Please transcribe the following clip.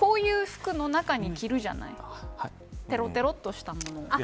こういう服の中に着るじゃないテロテロとしたもの。